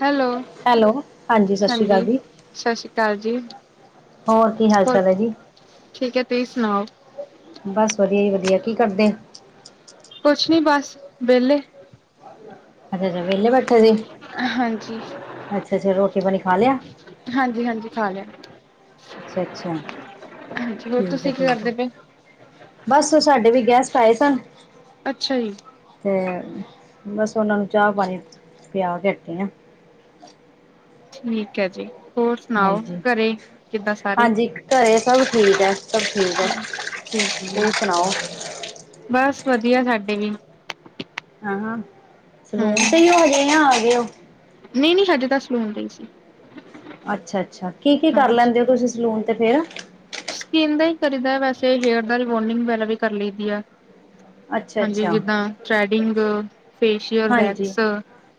Hello hello ਹਾਂਜੀ ਸਤਿ ਸ੍ਰੀ ਅਕਾਲ ਜੀ। ਸਤਿ ਸ੍ਰੀ ਅਕਾਲ ਜੀ। ਹੋਰ ਕੀ ਹਾਲ ਹੋਰ ਚਾਲ ਹੈ ਜੀ ਠੀਕ ਹੈ ਤੁਸੀਂ ਸੁਣਾਓ ਬਸ ਵਧੀਆ ਜ। ਵਧੀਆ ਕੀ ਕਰਦੇ ਆ। ਕੁਛ ਨੀ ਬਸ ਵਿਹਲੇ। ਅੱਛਾ ਅੱਛਾ ਵਿਹਲੇ ਬੈਠੇ ਸੀ ਹਾਂਜੀ ਅੱਛਾ ਅੱਛਾ ਰੋਟੀ ਪਾਣੀ ਖਾ ਲਿਆ। ਹਾਂਜੀ ਹਾਂਜੀ ਖਾ ਲਿਆ। ਅੱਛਾ ਅੱਛਾ ਹਾਂਜੀ ਹੋਰ ਠੀਕ ਹੈ ਤੁਸੀਂ ਕੀ ਠੀਕ। ਕਰਦੇ ਪਏ ਬਸ ਉਹ ਸਾਡੇ ਵੀ ਗੈਸਟ ਆਏ ਸਨ। ਅੱਛਾ ਜੀ। ਤੇ ਬਸ ਉਹਨਾ ਨੂੰ ਚਾਹ ਪਾਣੀ ਪਿਆ ਕੇ ਹਟੇ ਅਆ। ਠੀਕ ਹੈ ਜੀ। ਹੋਰ ਸੁਣਾਓ ਹਾਂਜੀ ਘਰੇ ਕਿੱਦਾਂ ਸਾਰੇ ਹਾਂਜੀ ਘਰੇ ਸਭ ਠੀਕ ਆ ਸਭ ਠੀਕ ਆ। ਠੀਕ ਜੀ ਤੂੰ ਸੁਣਾਓ। ਬਸ, ਵਧੀਆ, ਸਾਡੇ ਵੀ। ਹਾਂ ਸਲੂਨ, ਤੇ ਹਮ ਹੀ ਹੋ, ਹਜੇ ਯਾ, ਆ ਗਏ ਉਹ? ਨਹੀਂ- ਨਹੀਂ, ਹਜੇ ਤਾਂ, ਸਲੂਨ ਤੇ, ਹੀ ਆ। ਅੱਛਾ- ਅੱਛਾ, ਕੀ- ਕੀ, ਕਰ ਲੈਂਦੇ ਹੋ? ਤੁਸੀਂ ਸਲੂਨ ਤੇ ਫੇਰ। ਸਕਿੰਨ, ਦਾ ਹੀ ਕਰੀਦਾ ਵੈਸੇ, ਹੇਅਰ ਦਾ ਰੀ- ਬਾਂਡਿੰਗ ਵਗੈਰਾ ਵੀ, ਕਰ ਲਈਦੀ ਹੈ। ਅੱਛਾ ਹਾਂਜੀ। ਅੱਛਾ ਜਿੱਦਾਂ ਥਰੈਡਿੰਗ, ਫੇਸ਼ੀਅਲ, ਹਾਂਜੀ ਵੈਕਸ।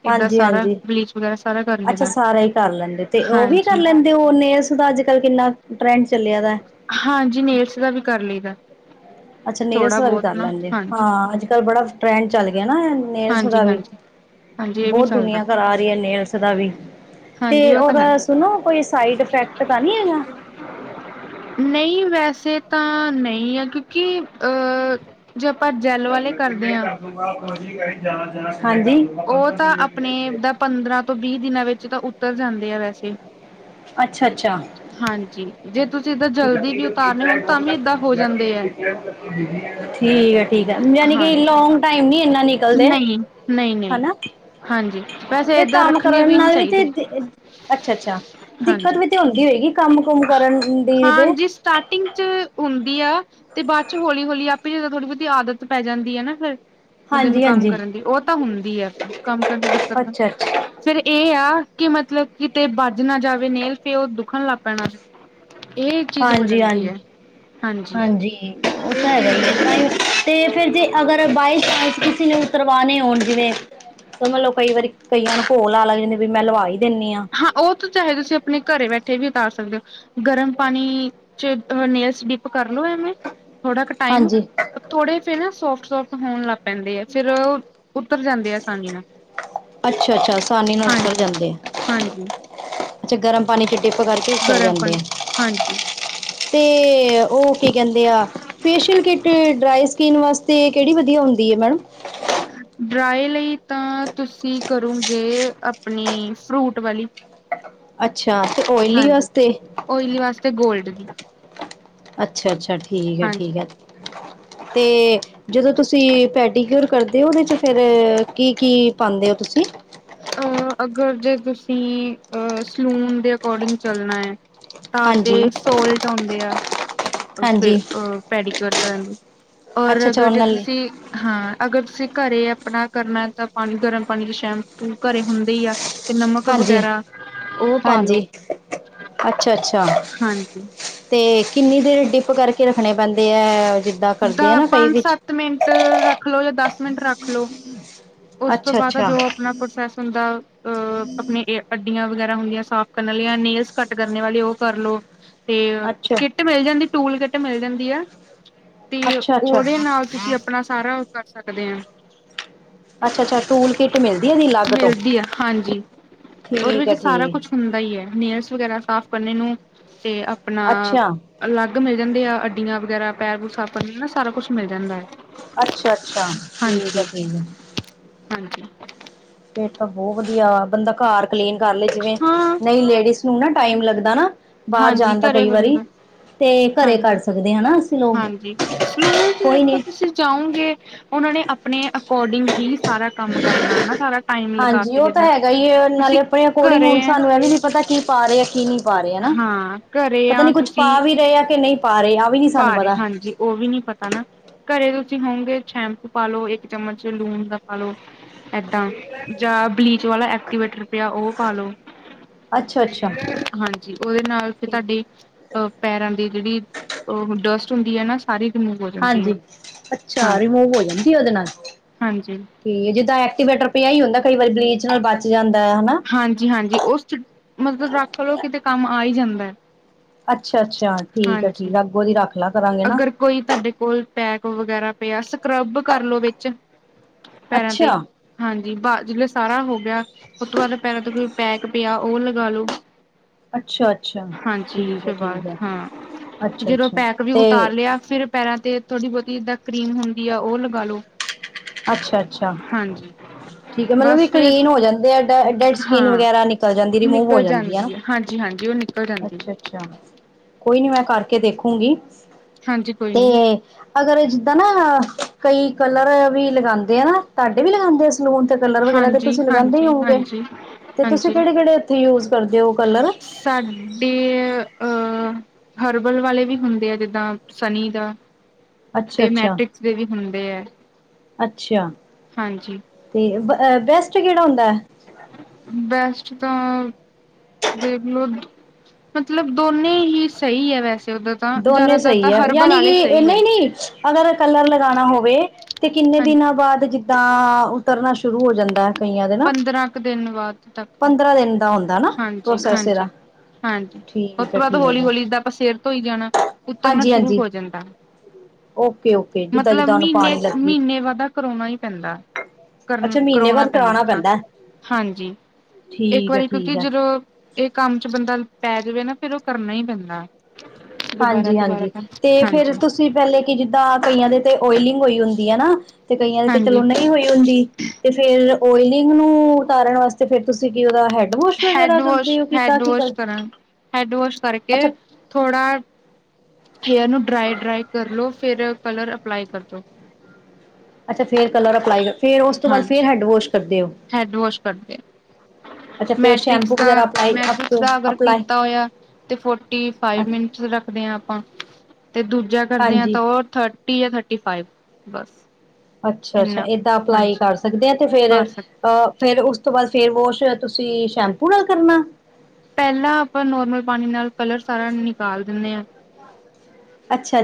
ਏਦਾਂ ਹਾਂਜੀ- ਸਾਰਾ ਹਾਂਜੀ। ਬਲੀਚ ਵਗੈਰਾ ਸਾਰਾ ਕਰ ਅੱਛਾ। ਲਈਦਾ। ਸਾਰਾ ਹੀ, ਕਰ ਲੈਂਦੇ ਹੋ। ਤੇ ਉਹ ਵੀ ਕਰ ਹਾਂਜੀ, ਲੈਂਦੇ ਹੋ। ਨੇਲਸ ਦਾ। ਅੱਜ ਕੱਲ, ਕਿੰਨਾ। ਟਰੈਂਡ ਚੱਲਿਆ ਦਾ ਹਾਂਜੀ। ਨੇਲਸ ਦਾ ਵੀ, ਕਰ ਲਈਦਾ। ਅੱਛਾ। ਨੇਲਸ ਥੋੜਾ ਦਾ ਵੀ ਬਹੁਤ ਕਰ ਨਾ ਲੈਂਦੇ, ਹਾਂਜੀ। ਹਾਂ। ਅੱਜ ਕੱਲ ਬੜਾ ਟਰੈਂਡ ਚੱਲ ਗਿਆ। ਨੇਲਸ ਦਾ ਵੀ। ਹਾਂਜੀ-ਹਾਂਜੀ, ਹਾਂਜੀ ਹਾਂਜੀ ਇਹ ਵੀ ਬਹੁਤ, ਚੱਲਦਾ ਦੁਨੀਆਂ ਕਰਾ ਆ ਰਹੀ ਹੈ। ਨੇਲਸ ਦਾ ਵੀ। ਤੇ ਹਾਂਜੀ ਉਹ ਤਾਂ ਹੈ। ਓਦਾ, ਸੁਣੋ ਕੋਈ ਸਾਈਡ ਇਫੈਕਟ, ਤਾਂ ਨਹੀਂ ਹੈਗਾ। ਨਹੀਂ। ਸੈਵ ਤਾਂ, ਨਹੀਂ ਆ। ਕਿਉਂਕਿ ਅਹ ਜੇ ਆਪਾਂ, ਜੈਲ, ਵਾਲੇ ਕਰਦੇ ਹਾਂ। ਜਾਣਾ- [unintelligible] ਜਾਣਾ ਉਹ ਤਾਂ, ਆਪਣੇ ਦਾ, ਪੰਦਰਾਂ ਤੋਂ ਵੀਹ ਦਿਨਾਂ ਵਿੱਚ ਤਾਂ ਉਤਰ ਜਾਂਦੇ ਆ ਵੈਸੇ। ਅੱਛਾ ਅੱਛਾ ਹਾਂਜੀ। ਜੇ- ਤੁਸੀਂ ਏਦਾਂ ਠੀਕ ਹੈ। ਜਲਦੀ ਵੀ ਉਤਾਰਨੇ ਹੋਣ ਤਾਂ ਵੀ ਏਦਾਂ ਹੋ ਜਾਂਦੇ ਹੈ ਠੀਕ ਹੈ। ਯਣੀ ਕਿ, ਹਾਂਜੀ। ਲੋਂਗ ਟਾਈਮ ਨੀ, ਇੰਨਾ ਨਿਕਲਦੇ। ਨਹੀਂ, ਨਹੀਂ, ਨਹੀਂ ਹਨਾ। ਹਾਂਜੀ ਹਾਂ। ਵੈਸੇ ਫੇਰ, ਏਦਾਂ ਕੰਮ ਰੱਖਣੇ ਕਰਨ ਨਹੀਂ ਨਾਲ ਵੀ, ਤੇ ਚਾਹੀਦੇ ਅੱਛਾ- ਅੱਛਾ, ਦਿੱਕਤ ਹਾਂਜੀ। ਵੀ ਤੇ, ਹੁੰਦੀ ਹੋਏਗੀ। ਕੰਮ- ਕੁਮ ਕਰਨ ਦੀ। ਵੀ ਤੇ ਹਾਂਜੀ। ਸਟਾਰਟਿੰਗ ਚ ਹੁੰਦੀ ਆ। ਤੇ ਬਾਅਦ ਚ ਹੋਲੀ- ਹੋਲੀ ਆਪੇ, ਹੀ ਜਦੋ, ਥੋੜੀ ਬਹੁਤੀ, ਆਦਤ ਪੈ ਜਾਂਦੀ ਹੈ, ਨਾ ਫੇਰ। ਬਦੇ ਨੂੰ ਹਾਂਜੀ ਕੰਮ ਹਾਂਜੀ ਕਰਨ ਦੀ। ਉਹ ਤੇ, ਹੁੰਦੀ ਆ। ਕੰਮ ਕਰਨ ਦੀ ਦਿੱਕਤ, ਅੱਛਾ ਅੱਛਾ ਫੇਰ ਇਹ ਆ। ਕਿ ਮਤਲਬ, ਕਿਤੇ ਬੱਜ ਨਾ ਜਾਵੇ ਨੇਲ ਤੇ, ਉਹ ਦੁਖਣ, ਲੱਗ ਪੈਣਾ ਸੀ। ਇਹ, ਚੀਜ਼ ਹੋ, ਹਾਂਜੀ ਜਾਂਦੀ ਹਾਂਜੀ ਹੈ। ਹਾਂਜੀ। ਉਹ ਇਹ ਤਾਂ, ਹੈਗਾ ਚੀਜ਼ ਹੋ ਹੀ, ਹੈ। ਤੇ ਫੇਰ ਜੇ, ਅਗਰ ਬਾਈ ਚਾਂਸ ਕਿਸੇ। ਉਤਰਵਾਨੇ ਹੋਣ ਜਿਵੇਂ, ਸਮਝ ਲੋ ਕਈ ਵਾਰੀ ਕਈਆਂ ਨੂੰ ਘੋਲ ਆੲ ਲੱਗ ਜਾਂਦੀ, ਕੀ ਵੀ ਮੈਂ ਲਗ ਵਾਈ। ਹਾਂ। ਉਹ ਤਾਂ, ਚਾਹੇ ਤੁਸੀਂ, ਆਪਣੇ ਘਰੇ ਬੈਠੇ ਵੀ, ਉਤਾਰ ਸਕਦੇ ਹੋ। ਗਰਮ ਪਾਣੀ, ਚ ਨੇਲਸ ਡਿਪ ਕਰਲੋ ਐਵੇਂ। ਥੋੜਾ ਕੁ ਟਾਈਮ। ਹਾਂਜੀ ਥੋੜੇ ਫੇਰ ਨਾ ਸੋਫਟ- ਸੋਫਟ। ਹੋਣ ਲੱਗ ਪੈਂਦੇ ਹੈ। ਫੇਰ, ਅੱਛਾ- ਅੱਛਾ। ਅਸਾਨੀ ਨਾਲ ਉੱਤਰ ਹਾਂਜੀ ਜਾਂਦੇ ਆ। ਹਾਂਜੀ ਅੱਛਾ। ਗਰਮ ਪਾਣੀ ਚ ਡਿੱਪ ਕਰਕੇ ਉਤਰ ਗਰਮ ਜਾਂਦੇ ਆ। ਪਾਣੀ ਚ ਹਾਂਜੀ। ਤੇ, ਉਹ ਕੀ ਕਹਿੰਦੇ ਆ। ਫੇਸ਼ੀਅਲ ਕਿੱਟ, ਡਰਾਈ ਸਕਿੰਨ, ਵਾਸਤੇ। ਤੇ, ਕਿਹੜੀ ਵਧੀਆ, ਹੁੰਦੀ ਹੈ। ਮੈਡਮ। ਡਰਾਏ, ਲਈ ਤਾਂ, ਤੁਸੀਂ ਕਰੋਗੇ। ਆਪਣੀ ਫਰੂਟ ਵਾਲੀ। ਅੱਛਾ। ਤੇ, ਓਇਲੀ ਹਾਂਜੀ। ਵਾਸਤੇ। ਓਇਲੀ ਵਾਸਤੇ ਗੋਲਡ ਦੀ। ਅੱਛਾ- ਅੱਛਾ। ਠੀਕ ਹੈ। ਹਾਂਜੀ। ਠੀਕ ਹੈ। ਤੇ, ਜਦੋਂ ਤੁਸੀਂ, ਪੈਟੀਕਿਓਰ ਕਰਦੇ ਹੋ। ਉਹਦੇ ਚ ਫੇਰ, ਕੀ- ਕੀ, ਪਾਉਂਦੇ ਹੋ? ਤੁਸੀਂ। ਅ ਅਗਰ, ਜੇ ਤੁਸੀਂ, ਅ ਸਲੂਨ ਦੇ, ਅਕੋਰਡਿੰਗ ਚੱਲਣਾ ਹੈ। ਤਾਂ, ਹਾਂਜੀ ਤੇ ਸੋਲਟ ਆਉਂਦੇ ਆ। ਫ, ਹਾਂਜੀ ਅ ਪੈਡੀਕਓਰ ਕਰਨ ਦੀ। ਔਰ ਅੱਛਾ ਅੱਛਾ ਅਗਰ, ਉਹ ਜੇ ਨਾਲ ਤੁਸੀਂ, ਹਾਂ। ਅਗਰ ਤੁਸੀਂ ਘਰੇ। ਆਪਣਾ ਕਰਨਾ ਤਾਂ, ਪਾਣੀ, ਗਰਮ ਪਾਣੀ ਚ ਸ਼ੈਂਪੂ ਘਰੇ ਹੁੰਦੇ ਹੀ ਆ। ਤੇ ਨਮਕ, ਹਾਂਜੀ ਵਗੈਰਾ ਉਹ, ਪਾਾਲੋ। ਹਾਂਜੀ ਅੱਛਾ- ਅੱਛਾ। ਤੇ ਕਿੰਨੀ ਦੇਰ, ਡਿਪ ਕਰਕੇ, ਰੱਖਣੇ ਪੈਂਦੇ ਹੈ। ਜਿੱਦਾਂ ਦ ਕਰਦੇ ਆ ਨਾ ਕਈ ਪੰਜ, ਵਿੱਚ ਸੱਤ ਮਿੰਟ ਰੱਖ ਲਓ। ਜਾਂ ਦਸ ਮਿੰਟ ਰੱਖ ਲੋ। ਉਸ ਤੋਂ ਅੱਛਾ ਬਾਅਦ। ਅੱਛਾ ਜੋ ਆਪਣਾ, ਪ੍ਰੋਸੈਸ, ਹੁੰਦਾ ਅਹ ਆਪਣੇ। ਵਗੈਰਾ ਹੁੰਦੀਆਂ ਸਾਫ਼ ਕਰਨ ਵਾਲੀਆਂ ਜਾਂ ਨੇੇਲਸ ਕਟ ਕਰਨ ਵਾਲੇ ਉਹ ਕਰਲੋ। ਤੇ ਅੱਛਾ ਕਿੱਟ ਮਿਲ ਜਾਂਦੀ ਟੂਲ ਕਿੱਟ ਮਿਲ ਜਾਂਦੀ ਐ। ਤੇ ਅੱਛਾ ਅੱਛਾ ਉਹਦੇ ਨਾਲ ਤੁਸੀਂ ਆਪਣਾ ਸਾਰਾ ਕਰ ਸਕਦੇ ਆ, ਅੱਛਾ-ਅੱਛਾ, ਤੂਲ ਕਿੱਟ ਮਿਲਦੀ ਐਦੀ। ਮਿਲਦੀ ਆ ਹਾਂਜੀ, ਤੇ ਉਹਦੇ ਠੀਕ ਵਿੱਚ ਹੈ ਸਾਰਾ ਕੁਛ ਠੀਕ ਹੁੰਦਾ ਹੀ ਹੈ, ਨੇੇਲਸ ਵਗੈਰਾ ਸਾਫ਼ ਕਰਨੇ ਨੂੰ ਤੇ ਆਪਣਾ ਅੱਛਾ ਅਲੱਗ ਮਿਲ ਜਾਂਦੇ ਆ ਅੱਡੀਆਂ ਵਗੈਰਾ, ਪੈਰ ਨੂੰ ਸਾਫ ਕਰਨ ਨਾਲ ਸਾਰਾ ਕੁਛ ਮਿਲ ਜਾਂਦਾ ਹੈ। ਅੱਛਾ-ਅੱਛਾ, ਠੀਕ ਹੈ ਹਾਂਜੀ ਠੀਕ ਹੈ। ਹਾਂਜੀ, ਫੇ ਤਾਂ ਬਹੁਤ ਵਧੀਆ ਵੇ ਬੰਦਾ ਘਰ ਕਲੀਨ ਕਰ ਲਏ ਜਿਵੇਂ, ਹਾਂ ਨਹੀਂ ਲੇਡੀਜ਼ ਨੂੰ ਨਾ ਟਾਈਮ ਲੱਗਦਾ ਨਾ ਬਾਹਰ ਹਾਂਜੀ ਜਾਣ ਦਾ ਘਰੇ ਕਈ ਹੋ ਵਾਰੀ, ਜਾਂਦਾ ਤੇ ਘਰੇ ਕਰ ਹਾਂਜੀ ਸਕਦੇ ਹਨਾ, ਅਸੀਂ ਲੋ ਹਾਂਜੀ ਸਲੂਨ ਚ ਕੋਈ ਦੇਖੋ ਨੀ ਤੁਸੀਂ ਜਾਓਗੇ ਉਹਨਾਂ ਨੇ ਆਪਣੇ ਅਕੋਰਡਿੰਗ ਹੀ ਸਾਰਾ ਕੰਮ ਕਰਨਾ ਸਾਰਾ ਟੈਮ ਲਗਾ ਹਾਂਜੀ ਕੇ ਉਹ ਤਾਂ ਜਿਦਾ ਹੈਗਾ ਹੀ ਨਾਲੇ ਆਪਣੇ ਅਕੋਰਡਿੰਗ ਹੁਣ ਸਾਨੂੰ ਇਹ ਵੀ ਨੀ ਪਤਾ ਕੀ ਪਾ ਰਹੇ ਆ ਕੀ ਨਹੀਂ, ਪਾ ਰਹੇ ਹਨਾ, ਹਾਂ ਘਰੇ ਪਤਾ ਨੀ ਕੁੱਛ ਪਾ ਵੀ ਰਹੇ ਆ ਕਿ ਨਹੀਂ ਪਾ ਰਹੇ ਆ ਵੀ ਨੀ ਸਾਨੂੰ ਭਾਰੇ ਪਤਾ ਹਾਂਜੀ ਉਹ ਵੀ ਨੀ ਪਤਾ ਨਾ, ਘਰੇ ਤੁਸੀਂ ਹੋਵਗੇ ਸ਼ੈਂਪੂ ਪਾਲੋ, ਇੱਕ ਚਮਚ ਲੂਣ ਦਾ ਪਾਲੋ। ਏਦਾਂ ਜਾਂ ਬਲੀਚ ਵਾਲਾ ਐਕਟੀਵੇਟਰ ਪਿਆ ਉਹ ਪਾਲੋ। ਅੱਛਾ-ਅੱਛਾ ਹਾਂਜੀ, ਉਹਦੇ ਨਾਲ ਫਿਰ ਤੁਹਾਡੇ ਅਹ ਪੈਰਾਂ ਦੀ ਜਿਹੜੀ ਉਹ ਡਸਟ ਹੁੰਦੀ ਹੈ ਨਾ ਸਾਰੀ, ਰਿਮੂਵ ਹੋ ਜਾਂਦੀ ਹੈ ਹਾਂਜੀ, ਅੱਛਾ ਹਾਂਜੀ ਰਿਮੂਵ ਹੋ ਜਾਂਦੀ ਉਹਦੇ ਨਾਲ। ਹਾਂਜੀ ਠੀਕ ਜਿੱਦਾਂ ਐਕਟੀਵੇਟਰ ਪਿਆ, ਹੀ ਹੁੰਦਾ ਕਈ ਵਾਰੀ ਬਲੀਚ ਨਾਲ ਬਚ ਜਾਂਦਾ। ਹੈ ਹਨਾ। ਹਾਂਜੀ-ਹਾਂਜੀ, ਉਸ ਚ ਮਤਲਬ ਰੱਖ ਲਓ ਕਿਤੇ ਕੰਮ ਆ ਹੀ ਜਾਂਦਾ ਹੈ। ਅੱਛਾ-ਅੱਛਾ ਠੀਕ ਹੈ ਠੀਕ ਹਾਂਜੀ ਆ, ਅੱਗ ਉਹਦੀ ਰੱਖ। ਲਾ ਕਰਾਂਗੇ ਨਾ ਅਗਰ ਕੋਈ ਤੁਹਾਡੇ ਕੋਲ ਪੈਕ ਵਗੈਰਾ ਪਿਆ, ਸਕਰੱਬ ਕਰਲੋ ਵਿੱਚ ਪੈਰਾਂ ਤੇ ਅੱਛਾ। ਹਾਂਜੀ ਬਸ ਜੇ ਸਾਰਾ ਹੋ ਗਿਆ, ਉਸ ਤੋਂ ਬਾਅਦ ਪੈਰਾਂ ਤੇ ਕੋਈ ਪੈਕ ਪਿਆ ਉਹ ਲਗਾਲੋ। ਅੱਛਾ ਅੱਛਾ ਹਾਂਜੀ, ਠੀਕ ਹੈ ਸ ਬਾ ਠੀਕ ਹੈ ਹਾਂ ਅੱਛਾ ਜਦੋਂ ਅੱਛਾ ਪੈਕ ਵੀ ਤੇ ਉਤਾਰ ਲਿਆ ਫਿਰ ਪੈਰਾਂ ਤੇ ਥੋੜੀ ਬਹੁਤੀ ਜਿੱਦਾਂ ਕਰੀਮ ਹੁੰਦੀ, ਆ ਉਹ ਲਗਾ ਲੋ ਅੱਛਾ-ਅੱਛਾ, ਹਾਂਜੀ ਠੀਕ ਹੈ ਮਤਲਬ ਕੀ ਬਸ ਫਿਰ ਕਲੀਨ ਹੋ ਜਾਂਦੇ ਆ, ਡੈਡ ਸਕੀਨ ਹਾਂ ਵਗੈਰਾ ਨਿਕਲ ਜਾਂਦੀ ਰਿਮੂਵ ਹੋ ਨਿਕਲ ਜਾਂਦੀ ਆ। ਹੈ ਹਾਂਜੀ ਹਾਂਜੀ ਉਹ ਨਿਕਲ ਜਾਂਦੀ ਹੈ ਅੱਛਾ-ਅੱਛਾ, ਕੋਈ ਨੀ ਮੈਂ ਕਰਕੇ ਦੇਖੂੰਗੀ। ਹਾਂਜੀ ਕੋਈ ਨੀ, ਤੇ ਅਗਰ ਜਿੱਦਾਂ ਨਾ ਕਈ ਕਲਰ ਵੀ ਲਗਾਦੇ। ਨਾ ਤੁਹਾਡੇ ਵੀ ਲਗਾਦੇ ਸਲੂਨ ਤੇ ਕਲਰ ਵਗੈਰਾ ਤੇ ਹਾਂਜੀ ਤੁਸੀਂ ਲਗਾਉਂਦੇ ਹੀ ਹਾਂਜੀ ਹੋਗੇ। ਹਾਂਜੀ ਤੇ ਤੁਸੀਂ ਹਾਂਜੀ ਕਿਹੜੇ-ਕਿਹੜੇ ਇੱਥੇ ਯੂਜ ਕਰਦੇ ਹੋ ਕਲਰ? ਦੇ ਅਹ ਹਰਬਲ ਵਾਲੇ ਵੀ ਹੁੰਦੇ ਆ ਜਿੱਦਾਂ ਸਨੀ ਦਾ, ਅੱਛਾ ਤੇ ਅੱਛਾ ਮੈਟ੍ਰਿਕਸ ਦੇ ਵੀ ਹੁੰਦੇ ਹੈ, ਅੱਛਾ, ਹਾਂਜੀ, ਬੈਸ ਬੈਸਟ ਤਾਂ ਦੇਖਲੋ ਮਤਲਬ ਦੋਨੇ ਹੀ ਸਹੀ ਹੈ ਵੈਸੇ, ਉਦਾਂ ਤਾਂ ਦੋਨੇ ਜ਼ਿਆਦਾਤਰ ਤਾਂ ਸਹੀ ਹੈ, ਹਰਬਲ ਯਾਨੀ ਕਿ ਵਾਲੇ ਸਹੀ ਇਹਨਾ ਹੈ ਹੀ ਨੀ ਅਗਰ ਕਲਰ ਲਗਾਣਾ ਹੋਵੇ। ਤੇ ਕਿੰਨੇ ਹਾਂਜੀ ਦਿਨਾਂ ਬਾਅਦ ਜਿੱਦਾਂ ਉਤਰਨਾ ਸ਼ੁਰੂ ਹੋ ਜਾਂਦਾ। ਕਈਆਂ ਦੇ ਨਾ ਪੰਦਰਾਂ ਕੁ ਦਿਨ ਬਾਅਦ ਤੱਕ ਪੰਦਰਾਂ ਦਿਨ ਦਾ ਹੁੰਦਾ ਨਾ ਪ੍ਰੋਸੈਸ ਇਹਦਾ ਹਾਂਜੀ-ਹਾਂਜੀ-ਹਾਂਜੀ, ਉਸ ਠੀਕ ਤੋਂ ਹੈ ਬਾਅਦ ਠੀਕ ਹੈ ਹੌਲੀ-ਹੌਲੀ ਦਾ ਆਪਾਂ ਸਿਰ ਤੋਂ ਹੀ ਜਾਣਾ। ਉਤਰਨਾ ਹਾਂਜੀ ਸ਼ੁਰੂ ਹਾਂਜੀ ਹੋ ਜਾਂਦਾ ਹੈ। ਓਕੇ ਓਕੇ ਜਿੱਦਾਂ ਮਤਲਬ ਜਿੱਦਾਂ ਉਹਨੂੰ ਮਹੀਨੇ ਪਾਣੀ ਲੱਗੀ -ਮਹੀਨੇ ਵਦਾ ਕਰੋਨਾ ਹੀ ਪੈਂਦਾ। ਕਰ ਅੱਛਾ ਮਹੀਨੇ ਕਰਾਉਣਾ ਬਾਅਦ ਪੈਂਦਾ ਹਾਂ ਹਾਂਜੀ ਇੱਕ ਠੀਕ ਹੈ ਵਾਰੀ ਕਿ ਠੀਕ ਹੈ ਜਦੋਂ ਇਹ ਕੰਮ ਚ ਬੰਦਾ ਪੈ ਜਾਵੇ ਨਾ ਫੇਰ ਉਹ ਕਰਨਾ ਹੀ ਪੈਂਦਾ। ਹਾਂਜੀ- ਹਾਂਜੀ ਤੇ ਫਰ ਹਾਂਜੀ ਤੁਸੀਂ ਪਹਿਲੇ ਕਿ ਜਿੱਦਾਂ ਕਈਆਂ ਦੇ ਤੇ ਓਇਲਿੰਗ ਹੋਈ ਹੁੰਦੀ ਹੈ ਨਾ। ਤੇ ਕਈਆਂ ਦੇ ਤੇ ਚਲੋ ਹਾਂਜੀ ਨਹੀਂ ਹੋਈ ਹੁੰਦੀ ਤੇ ਫੇਰ ਓਇਲਿੰਗ ਨੂੰ ਉਤਾਰਨ ਵਾਸਤੇ ਫੇਰ ਤੁਸੀਂ ਕੀ ਹੈਡ ਵੋਸ਼ ਵਗੈਰਾ ਹੈਡ ਵਾਸ਼ ਕਰਦੇ ਹੋ ਕਿੱਦਾਂ ਹੈਡ ਕੀ ਵਾਸ਼ ਕਰਾਂ ਕਰਦੇ। ਹੈਡ ਵਾਸ਼ ਕਰਕੇ ਥੋੜ੍ਹਾ ਹੇਅਰ ਨੂੰ ਡਰਾਈ- ਡਰਾਈ ਕਰ ਲੋ ਫਿਰ ਕਲਰ ਅਪਲਾਈ ਕਰਦੋ। ਅੱਛਾ ਫੇਰ ਕਲਰ ਅਪਲਾਈ ਕਰ ਫੇਰ ਉਸ ਤੋਂ ਬਾਅਦ ਹਾਂਜੀ ਫਰ ਹੈਡ ਵੋਸ਼ ਕਰਦੇ ਓ। ਹੈਡ ਵਾਸ਼ ਕਰਦੇ ਅੱਛਾ ਫੇਰ ਸ਼ੈਂਪੂ ਮੈਟ੍ਰਿਕਸ ਦਾ ਵਗੈਰਾ ਪਈ ਮੈਟ੍ਰਿਕਸ ਦਾ ਅਗਰ ਅਪਲਾਈ ਕੀਤਾ ਹੋਇਆ ਤੇ ਫੋਰਟੀ ਫਾਈਵ ਅੱਛਾ ਮਿੰਟਸ ਰੱਖਦੇ ਹ ਆਪਾਂ ਤੇ ਦੂਜਾ ਕਰਦੇ ਆ ਹਾਂਜੀ ਤਾਂ ਉਹ ਥਰਟੀ ਜਾਂ ਥਰਟੀ ਫਾਈਵ ਬਸ ਅੱਛਾ- ਅੱਛਾ ਇੰਨਾ ਏਦਾਂ ਅਪਲਾਈ ਹਾਂਜੀ ਕਰ ਸਕਦੇ ਹ ਤੇ ਫੇਰ ਕਰ ਸਕ ਅਹ ਫੇਰ ਉਸ ਤੋਂ ਬਾਅਦ ਫੇਰ ਵੋਸ਼ ਤੁਸੀਂ ਸ਼ੈਂਪੂ ਨਾਲ ਕਰਨਾ। ਪਹਿਲਾਂ ਆਪਾਂ ਨੋਰਮਲ ਪਾਣੀ ਨਾਲ ਕਲਰ ਸਾਰਾ ਨਿਕਾਲ ਦਿੰਦੇ ਆਂ।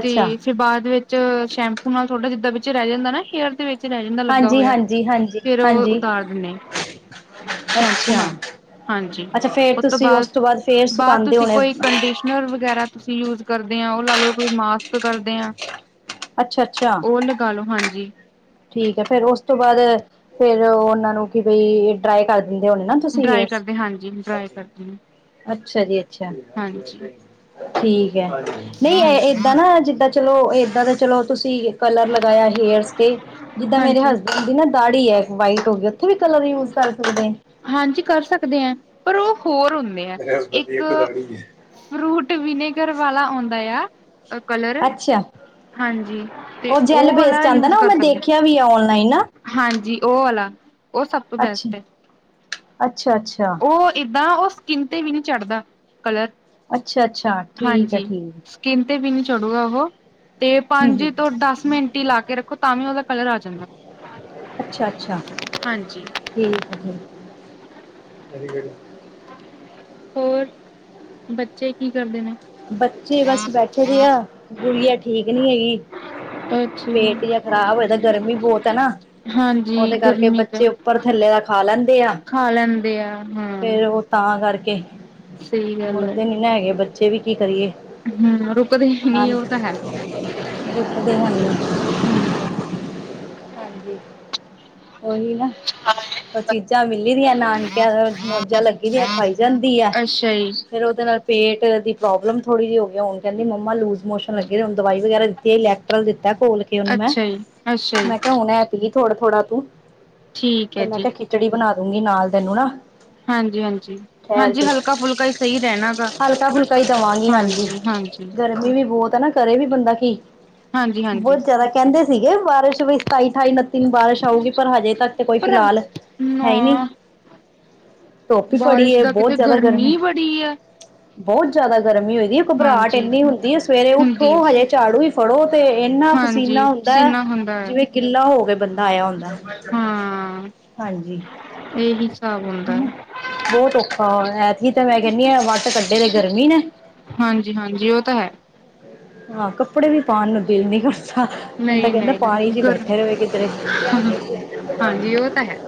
ਤੇ ਫਿਰ ਬਾਅਦ ਵਿੱਚ ਸ਼ੈਂਪੂ ਨਾਲ ਥੋੜ੍ਹਾ ਜਿੱਦਾਂ ਵਿੱਚ ਰਹਿ ਜਾਂਦਾ ਨਾ ਹੇਅਰ ਦੇ ਵਿੱਚ ਚ ਰੈ ਜਾਂਦਾ ਲੱਗਾ ਹੋਯਾ ਹਾਂਜੀ-ਹਾਂਜੀ, ਫੇਰ ਔ ਹਾਂਜੀ-ਹਾਂਜੀ, ਉਤਾਰ ਦਿੰਣੇ। [inaudible] ਅੱਛਾ ਹਾਂਜੀ ਅੱਛਾ ਫੇਰ ਉਤੋਂ ਤੁਸੀਂ ਉਸ ਬਾਦ ਤੋਂ ਬਾਅਦ ਫੇਰ ਬਾਦ ਸੁਕਾਂਦੇ ਤੁਸੀਂ ਹੋਣੇ, ਕੋਈ ਕੰਡੀਸ਼ਨਰ ਵਗੈਰਾ ਤੁਸੀਂ ਯੂਜ ਕਰਦੇ ਆਂ ਓਹ ਲਾ ਲੋ ਕੋਈ ਮਾਸਕ ਕਰਦੇ ਆਂ ਅੱਛਾ-ਅੱਛਾ। ਓਹ ਲਗਾਲੋ ਹਾਂਜੀ। ਠੀਕ ਹੈ ਫੇਰ ਓਸ ਤੋਂ ਬਾਦ ਫੇਰ ਉਨਾਂ ਨੂੰ ਕਿ ਬਈ ਡਰਾਈ ਕਰ ਦਿੰਦੇ ਹੋਣੇ ਨਾ ਤੁਸੀ ਡਰਾਈ ਹੇਅਰਸ, ਕਰਦੇ ਹਾਂਜੀ ਡਰਾਈ ਹਾਂਜੀ-ਹਾਂਜੀ। ਕਰਦੇ ਅੱਛਾ ਜੀ ਅੱਛਾ ਹਾਂਜੀ ਠੀਕ। ਗੈ, ਨਹੀਂ ਹਾਂਜੀ ਏਦਾਂ ਨਾ ਜਿੱਦਾਂ ਚਲੋ ਏਦਾਂ ਦਾ ਚਲੋ ਤੁਸੀਂ ਕਲਰ ਲਗਾਯਾ ਹੇਅਰਸ ਤੇ ਜਿੱਦਾਂ ਮੇਰੇ ਹਾਂਜੀ ਹਸਬੈਂਡ ਦੀ ਨਾ ਦਾੜੀ ਐ, ਵਾਈਟ ਹੋਗੀ ਉਥੇ ਵੀ ਕਲਰ ਯੂਜ ਕਰ ਸਕਦੇ। ਹਾਂਜੀ ਕਰ ਸਕਦੇ ਐਂ ਪਰ ਓ ਹੋਰ ਹੁੰਣੇ ਐ ਇੱਕ ਫਰੂਟ ਵਿਨੇਗਰ ਵਾਲਾ ਔੰਦਾ ਆ। ਅ ਕਲਰ ਅੱਛਾ ਹਾਂਜੀ ਤੇ ਉਹ ਜੈਲ ਓਹ ਵਾਲਾ ਬੇਸਡ ਆਉਂਦਾ ਯੂਜ ਨਾ ਉਹ ਕਰ ਮੈਂ ਸਕਦੇ ਦੇਖਿਆ ਵੀ ਔ। ਆ ਔਨਲਾਈਨ ਨਾ ਹਾਂਜੀ ਓਹ ਆਲਾ ਓਹ ਸਭ ਤੋਂ ਅੱਛਾ ਬੈਸਟ ਹੈ। ਅੱਛਾ ਅੱਛਾ ਓਹ ਏਦਾਂ ਓਹ ਸਕਿੰਨ ਤੇ ਵੀ ਨੀ ਚੜਦਾ। ਕਲਰ ਅੱਛਾ ਅੱਛਾ ਠੀਕ ਹੈ ਹਾਂਜੀ ਠੀਕ ਸਕਿੰਨ ਤੇ ਵੀ ਨੀ ਚੜੂਗਾ ਓਹ ਤੇ ਹਮ ਪੰਜ ਹਮ ਤੋਂ ਦਸ ਮਿੰਟ ਈ ਲਾ ਕੇ ਰੱਖੋ ਤਾਂ ਵੀ ਓਦਾ ਕਲਰ ਆ ਜਾਂਦੈ। ਅੱਛਾ -ਅੱਛਾ ਠੀਕ ਐ ਠੀਕ। ਹੋਰ ਬੱਚੇ ਕੀ ਕਰਦੇ ਨੇ ਬੱਚੇ ਬਸ ਬੈਠੇ ਦੇ ਆ ਗੁੜੀਆ ਠੀਕ ਨੀ ਹੈਗੀ। ਅੱਛਾ ਜੀ, ਪੇਟ ਜਾ ਖ਼ਰਾਬ ਹੋਏਦਾ ਗਰਮੀ ਬੌਤ ਐ ਨਾ। ਹਾਂਜੀ ਔਦੇ ਕਰਕੇ ਗਰਮੀ ਚ ਬੱਚੇ ਉੱਪਰ ਥੱਲੇ ਦਾ ਖਾ ਲੈਂਦੇ ਆ ਖਾ ਲੈਂਦੇ ਆ ਹਾਂ ਫੇਰ ਓਹ ਤਾਂ ਤਾਂ ਕਰਕੇ ਸਹੀ ਗੱਲ ਹੈ ਮੁੜਦੇ ਨੀ ਨਾ ਹੈਗੇ ਬੱਚੇ ਵੀ ਕੀ ਕਰੀਏ। ਹਮ ਰੁਕਦੇ ਹੀ [inaudible] ਨਾਲ ਨੀ ਉਹ ਤਾਂ ਹੈ ਗਿਫ਼ਟ ਦੇਣਾ। ਹੂੰ ਓਹੀ ਨਾ ਓ ਚੀਜ਼ਾਂ ਮਿਲੀ ਦੀਆਂ ਨਾਨਕਿਆਂ ਦ ਮੌਜਾਂ ਲੱਗੀ ਦੀਆਂ ਖਾਈ ਜਾਂਦੀ ਆ। ਅੱਛਾ ਜੀ ਫੇਰ ਓਦੇ ਨਾਲ ਪੇਟ ਪੇਟ ਦੀ ਪ੍ਰੋਬਲਮ ਥੋੜ੍ਹੀ ਜੀ ਹੋਗੀ ਐ ਹੁਣ ਕੈੰਦੀ ਮੰਮਾ ਲੂਸ ਮੋਸ਼ਨ ਲੱਗੇ ਦੇ ਹੋਣ ਦਵਾਈ ਵਗੈਰਾ ਦਿੱਤੀ ਏ, ਲੈਕਟਰਲ ਦਿੱਤ ਤਾ ਘੋਲ ਕੇ ਉਹਨੂੰ ਮੈਂ ਅੱਛਾ ਜੀ ਅੱਛਾ ਜੀ -ਮੈਂ ਕਿਹਾ ਹੁਣ ਐ ਪੀ। ਥੋੜਾ -ਥੋੜ੍ਹਾ ਤੂੰ, ਠੀਕ ਤੇ ਹੈ ਮੈਂ ਜੀ ਕੈ ਖਿਚੜੀ ਬਣਾ ਦੂੰਗੀ ਨਾਲ ਤੈਨੂੰ ਨਾ। ਹਾਂਜੀ- ਹਾਂਜੀ, ਠਹਿਰ ਹਾਂਜੀ ਕੇ ਹਲਕਾ-ਫੁਲਕਾ ਹੀ ਸਹੀ ਰਹਿਣਾ ਗਾ। ਹਲਕਾ- ਫੁਲਕਾ ਹੀ ਦਵਾਂਗੀ ਹਾਂਜੀ, ਗਰਮੀ ਵੀ ਬੌਤ ਹੈ ਨਾ ਕਰੇ ਵੀ ਬੰਦਾ ਕੀ। ਹਾਂਜੀ-ਹਾਂਜੀ ਬੌਤ ਜਾਦਾ ਕਹਿੰਦੇ ਸੀਗੇ ਬਾਰਿਸ਼ ਵੀ ਸਤਾਈ, ਅਠਾਈ, ਉਨੱਤੀ ਨੂੰ ਬਾਰਿਸ਼ ਆਊਗੀ, ਪਰ ਹਜੇ ਤੱਕ ਤੇ ਕੋਈ ਪਰ ਫਿਲਹਾਲ ਹੈ ਈ ਨੀ। ਨਾ ਧੁੱਪ ਈ ਬੜੀ ਬਾਰਿਸ਼ ਏ, ਦਾ ਬੌਤ ਕਿਤੇ ਜਾਦਾ ਗਰਮੀ। ਬੜੀ ਐ ਜਾਦਾ ਗਰਮੀ ਹੋਈਦੀ ਏ, ਘਬਰਾਟ ਹਾਂਜੀ ਏਨੀ ਹੁੰਦੀ ਏ ਸਵੇਰੇ ਉੱਠੋ ਹੁੰਦੀ ਹਜੇ ਝਾੜੂ ਹੀ ਫੜੋ, ਤੇ ਏਨਾ ਪਸੀਨਾ ਹਾਂਜੀ ਨਾ ਹੁੰਦੈ ਪਸੀਨਾ ਹੁੰਦਾ ਹੈ ਜਿਵੇਂ ਗਿੱਲਾ ਹੋ ਕੇ ਬੰਦਾ ਆਇਆ ਹੁੰਦਾ। ਹਾਂ ਹਾਂਜੀ, ਇਹੀ ਹਿਸਾਬ ਹੁੰਦਾ ਹੂੰ ਹੈ ਬੌਤ ਔਖਾ ਐਤਕੀ ਤਾਂ ਮੈਂ ਕਿੰਨੀ ਆ ਵੱਟ ਕੱ ਹਾਂਜੀ- ਹਾਂਜੀ, ਉਹ ਤਾਂ ਹੈ। ਹਾਂ, ਕੱਪੜੇ ਵੀ ਪਾਣ ਨੂੰ ਦਿਲ ਨੀ ਕਰਦਾ। ਹਾਂ, ਬੰਦਾ ਕਹਿੰਦਾ ਪਾਣੀ ਚ ਨਹੀਂ-ਨਹੀਂ ਈ ਗਰ ਬੈਠਾ ਰਵੇ ਕਿਧਰੇ। ਹਾਂਜੀ ਉਹ ਤਾਂ ਹੈ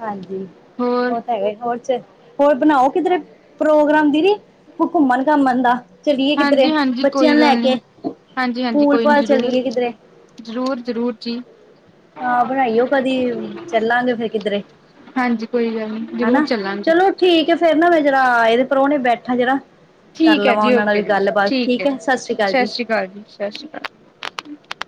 ਹਾਂਜੀ ਹੋਰ ਓਹ ਤਾਂ ਹੈ, ਔਰ ਚ ਹੋਰ ਬਣਾਓ ਕਿਧਰੇ ਪ੍ਰੋਗਰਾਮ ਦੀਦੀ, ਤੁ ਘੁੰਮਣ-ਘਾਮਣ ਦਾ। ਚਲੀਏ ਕਿਧਰੇ, ਬੱਚਿਆਂ ਨੂੰ ਲੈ ਕੇ। ਹਾਂਜੀ- ਹਾਂਜੀ, ਪੂਲ ਕੋਈ ਨੀ ਪਾਲ ਜ਼ਰੂਰ ਚਲੀਏ ਕਿਧਰੇ -ਜ਼ਰੂਰ- ਜ਼ਰੂਰ ਜੀ। ਹਾਂ, ਬਣਾਈਓ ਕਦੀ ਚੱਲਾਂਗੇ ਫੇਰ ਕਿਧਰੇ। ਹਾਂਜੀ ਕੋਈ ਗੱਲ ਨੀ ਜ਼ਰੂਰ ਹਨਾ ਚੱਲਾਂਗੇ। ਚਲੋ ਠੀਕ ਹੈ ਫੇਰ ਨਾ ਮੈਂ ਜਿਹੜਾ ਇਹਦੇ ਪਰੋਨੇ ਬੈਠਾ ਜਿਹੜਾ ਕਰ ਠੀਕ ਹੈ ਲਵਾਂ ਜੀ ਉਹਨਾਂ ਨਾਲ ਵੀ ਓਕੇ ਜੀ ਗੱਲਬਾਤ ਠੀਕ ਹੈ ਐ, ਜੀ ਸਸ ਰੀ ਕਾਲ ਸਤਿ ਜੀ। ਸ਼੍ਰੀ ਅਕਾਲ ਜੀ ਸਤਿ ਸ਼੍ਰੀ ਅਕਾਲ [inaudible]